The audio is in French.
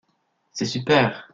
C’est super.